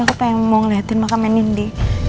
aku pengen mau ngeliatin makamen lindy